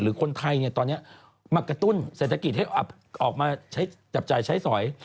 คนไทยตอนนี้มากระตุ้นเศรษฐกิจให้ออกมาใช้จับจ่ายใช้สอย